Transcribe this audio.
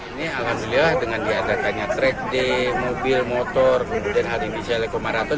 ini alhamdulillah dengan diadakannya track day mobil motor kemudian hal ini di selekomaraton